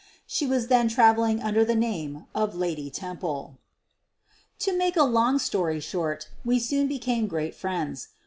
She was then traveling under the name of Lady Temple. To make a long story short, we soon became great friends.